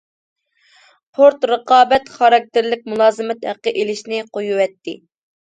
پورت رىقابەت خاراكتېرلىك مۇلازىمەت ھەققى ئېلىشنى قويۇۋەتتى.